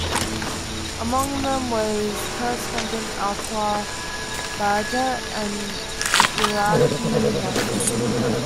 Among them was correspondent Atwar Bahjat, an Iraqi national.